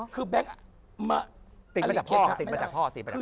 คือแบงค์มาอันตรีเกตติดมาจากพ่อ